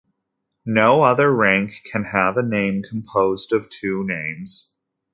No other rank can have a name composed of two names.